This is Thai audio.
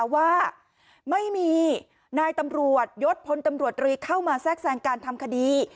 ว่าไม่มีนายตำรวจยศพลตำรวจรีเข้ามาแทรกแทรงการทำคดี